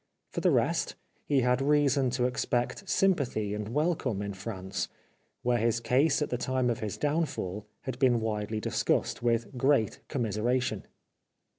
For the rest, he had reason to expect sympathy and welcome in France, where his case at the time of his downfall had been widely discussed, with general commiseration.